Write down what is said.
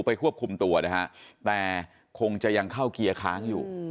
ควบคุมตัวนะฮะแต่คงจะยังเข้าเกียร์ค้างอยู่